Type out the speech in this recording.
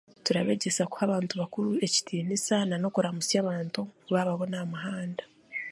Turabeegyesa kuha abantu bakuru ekitiniisa hamwe n'okuramusya abantu baababona aha muhanda.